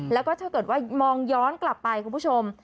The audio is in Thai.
แล้วก็ถ้าเกิดว่ามองย้อนกลับไปคุณผู้ชม